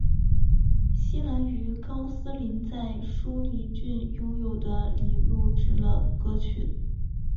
希兰于高斯林在舒梨郡拥有的里录制了歌曲。